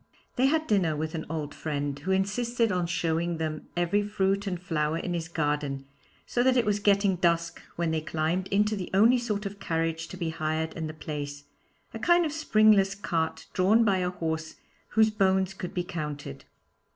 They had dinner with an old friend, who insisted on showing them every fruit and flower in his garden, so that it was getting dusk when they climbed into the only sort of carriage to be hired in the place, a kind of springless cart drawn by a horse whose bones could be counted.